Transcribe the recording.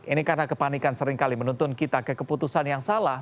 ini karena kepanikan seringkali menuntun kita ke keputusan yang salah